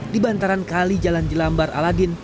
di bantaran kali jalan jelambar aladin